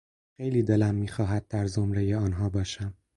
خیلی دلم میخواهد در زمرهی آنها باشم.